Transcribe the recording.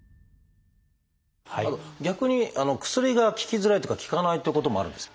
逆に薬が効きづらいっていうか効かないってこともあるんですか？